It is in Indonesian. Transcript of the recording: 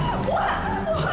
bi bangun bi